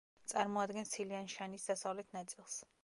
წარმოადგენს ცილიანშანის დასავლეთ ნაწილს.